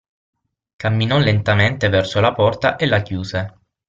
Camminò lentamente verso la porta e la chiuse.